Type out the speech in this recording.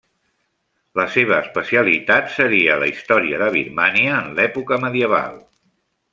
La seva especialitat seria la història de Birmània en l'època medieval.